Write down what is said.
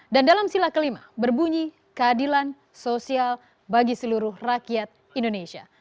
dan dalam sila kelima berbunyi keadilan sosial bagi seluruh rakyat indonesia